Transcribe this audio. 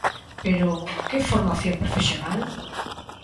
Pero ¿que formación profesional?